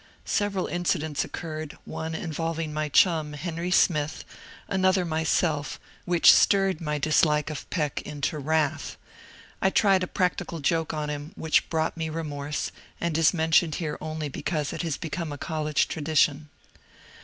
Several incidents occurred, one involving my chum, Henry Smith, another myself, which stirred my dis like of Peck into wrath ; and I tried a practical joke on him, which brought me remorse, and is mentioned here only be cause it has become a college tradition.